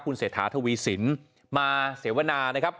คุณเสถาธวีศิลป์มาเสียวนานะครับ